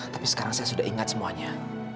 tapi sekarang saya sudah ingat semuanya